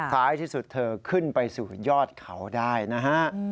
ท้ายที่สุดเธอขึ้นไปสู่ยอดเขาได้นะฮะ